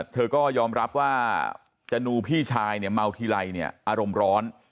เธอก็ยอมรับว่าจนูพี่ชายเนี่ยเมาทีไรเนี่ยอารมณ์ร้อน